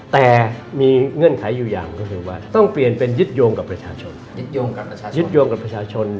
แต่มีเงื่อนไขอยู่อย่างก็คือว่าต้องเปลี่ยนเป็นยึดโยงกับประชาชน